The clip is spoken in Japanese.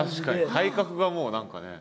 体格がもう何かね。